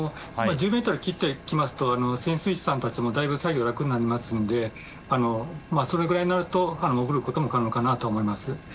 １０ｍを切ってきますと潜水士さんたちも作業が楽になりますのでそれぐらいになると潜ることも可能かなと思います。